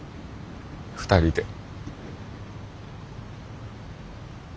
２人で。